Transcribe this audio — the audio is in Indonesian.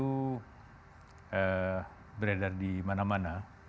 kita sudah beredar di mana mana